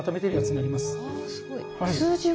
あすごい。